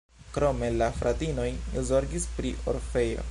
Krome la fratinoj zorgis pri orfejo.